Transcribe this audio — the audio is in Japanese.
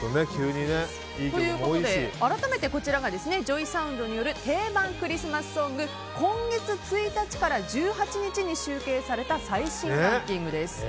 改めてこちらがＪＯＹＳＯＵＮＤによる定番クリスマスソング今月１日から１８日に集計された最新ランキングです。